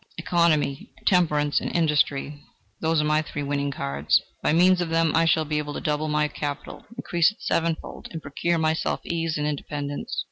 Economy, temperance and industry: those are my three winning cards; by means of them I shall be able to double my capital increase it sevenfold, and procure for myself ease and independence."